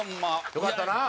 よかったな。